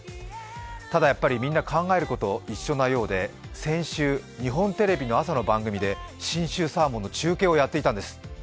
ただやっぱりみんな考えること一緒なようで先週、日本テレビの朝の番組で信州サーモンの中継をやっていたんです。